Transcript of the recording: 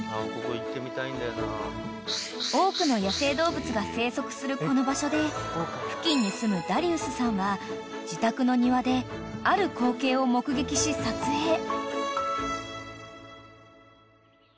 ［多くの野生動物が生息するこの場所で付近に住むダリウスさんは自宅の庭である光景を目撃し撮影］